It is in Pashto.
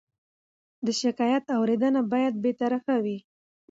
د شکایت اورېدنه باید بېطرفه وي.